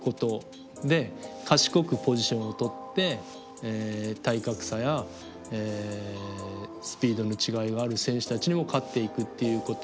で賢くポジションをとって体格差やスピードの違いがある選手たちにも勝っていくっていうこと。